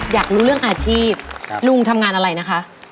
อยากรู้เรื่องอาชีพลุงทำงานอะไรนะคะ